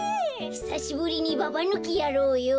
ひさしぶりにババぬきやろうよ。